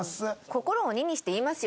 心を鬼にして言いますよ